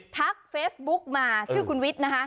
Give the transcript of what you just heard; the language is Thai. ทักเฟซบุ๊กมาชื่อคุณวิทย์นะคะ